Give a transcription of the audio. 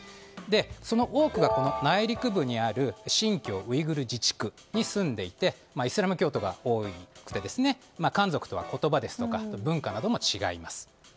その多くが内陸部にある新疆ウイグル自治区に住んでいてイスラム教徒が多くて漢族とは言葉や文化なども違います。